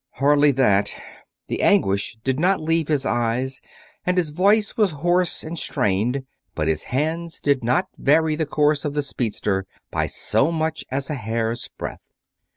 "Hardly that." The anguish did not leave his eyes and his voice was hoarse and strained, but his hands did not vary the course of the speedster by so much as a hair's breadth.